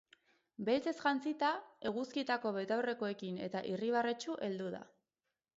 Beltzez jantzita, eguzkitako betaurrekoekin eta irribarretsu heldu da.